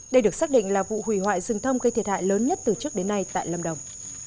đây được xác định là vụ hủy hoại rừng thông gây thiệt hại lớn nhất từ trước đến nay tại lâm đồng